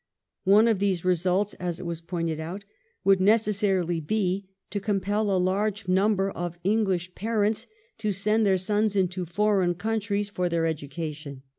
One of these results, as it was pointed out, would necessarily be to compel a large number of English parents to send their sons into foreign countries for their education.